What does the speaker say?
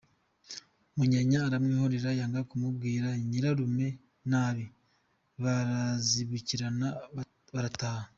Munyanya aramwihorera yanga kubwira nyirarume nabi, barazibukirana barataha.